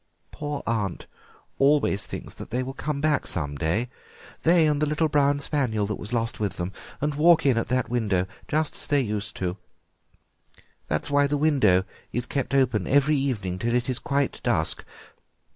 "Poor aunt always thinks that they will come back some day, they and the little brown spaniel that was lost with them, and walk in at that window just as they used to do. That is why the window is kept open every evening till it is quite dusk.